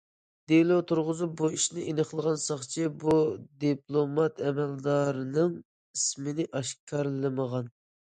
دېلو تۇرغۇزۇپ بۇ ئىشنى ئېنىقلىغان ساقچى بۇ دىپلومات ئەمەلدارىنىڭ ئىسمىنى ئاشكارىلىمىغان.